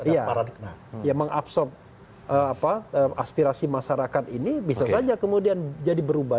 ya mengabsorb aspirasi masyarakat ini bisa saja kemudian jadi berubah